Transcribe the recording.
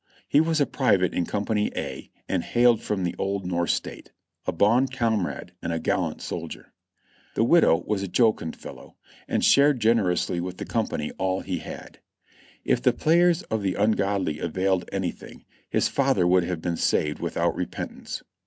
He was a private in Company A and hailed from the old North State ; a bon comrade and a gallant sol dier. The widow was a jocund fellow; and shared generously with the company all he had. If the prayers of the ungodly availed anything, his father would have been saved without repentance.